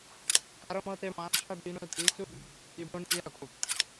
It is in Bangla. কারও মতে, মানশা বিনত ইউসুফ ইবন ইয়াকূব।